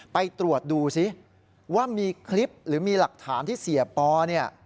ไปตรวจดูซิว่ามีคลิปหรือมีหลักฐานที่เสียปอเนี่ย